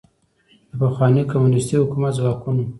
د پخواني کمونیستي حکومت ځواکونو